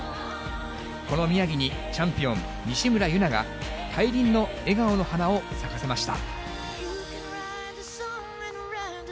この宮城にチャンピオン、西村優菜が、大輪の笑顔の花を咲かせました。